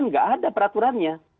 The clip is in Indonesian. nggak ada peraturannya